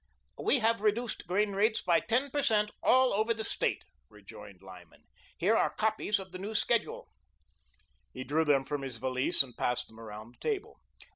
"We have reduced grain rates by ten per cent. all over the State," rejoined Lyman. "Here are copies of the new schedule." He drew them from his valise and passed them around the table.